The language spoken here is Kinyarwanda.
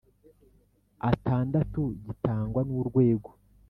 atandatu gitangwa n urwego